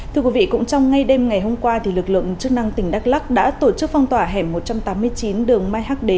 thưa quý vị cũng trong ngay đêm ngày hôm qua lực lượng chức năng tỉnh đắk lắc đã tổ chức phong tỏa hẻm một trăm tám mươi chín đường mai hắc đế